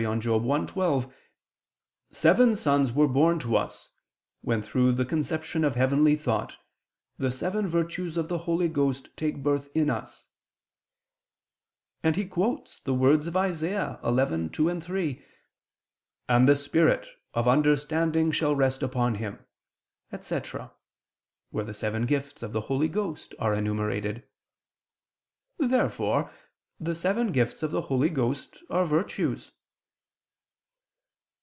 i, 12): "Seven sons were born to us, when through the conception of heavenly thought, the seven virtues of the Holy Ghost take birth in us": and he quotes the words of Isa. 11:2, 3: "And the Spirit ... of understanding ... shall rest upon him," etc. where the seven gifts of the Holy Ghost are enumerated. Therefore the seven gifts of the Holy Ghost are virtues.